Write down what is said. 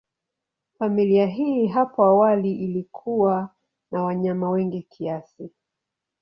Familia hii hapo awali ilikuwa na wanyama wengi kiasi.